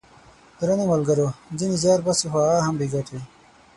درنو ملګرو ! ځینې زیار باسي خو هغه هم بې ګټې!